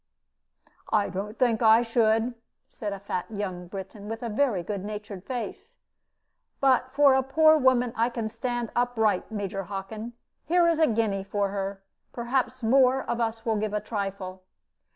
"I don't think I should," said a fat young Briton, with a very good natured face; "but for a poor woman I can stand upright. Major Hockin, here is a guinea for her. Perhaps more of us will give a trifle."